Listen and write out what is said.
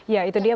ya itu dia